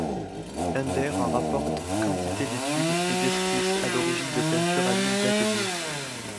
Ender en rapporte quantité d'études et d'esquisses à l'origine de peintures à l'huile d'atelier.